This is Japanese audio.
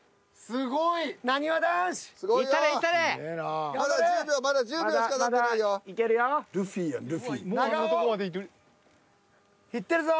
すごいぞ！